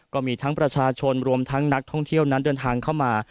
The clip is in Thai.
ก็มีทั้งประชาชนรวมทั้งนักท่องเที่ยวนั้นเดินทางเข้ามา